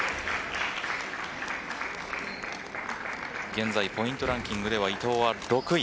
現在ポイントランキングでは伊藤は６位。